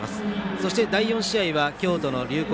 そして第４試合は京都の龍谷